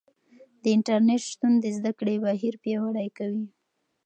د انټرنیټ شتون د زده کړې بهیر پیاوړی کوي.